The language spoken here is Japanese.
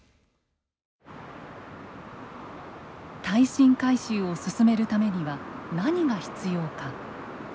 耐震改修を進めるためには何が必要か。